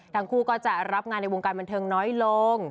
ทั้งคู่ก็จะรับงานในวงการบันเทิงน้อยลง